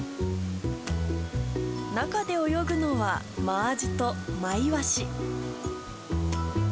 中で泳ぐのは、マアジとマイワシ。